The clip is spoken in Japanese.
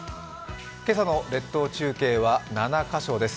今朝の列島中継は７カ所です。